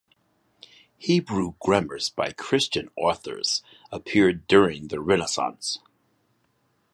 Hebrew grammars by Christian authors appeared during the Renaissance.